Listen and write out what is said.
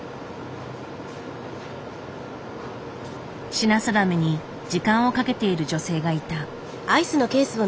品定めに時間をかけている女性がいた。